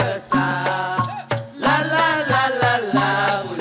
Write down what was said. ฮรีรายโยแท่เดิมบินแบบสาอิงหาดูหมอ